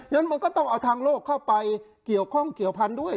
ฉะนั้นมันก็ต้องเอาทางโลกเข้าไปเกี่ยวข้องเกี่ยวพันธุ์ด้วย